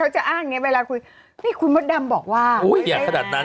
จริงเธอจะอ้างอย่างนี้